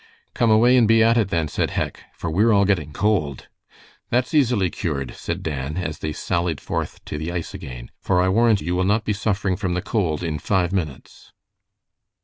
"Come away and be at it, then," said Hec, "for we're all getting cold." "That's easily cured," said Dan, as they sallied forth to the ice again, "for I warrant you will not be suffering from the cold in five minutes."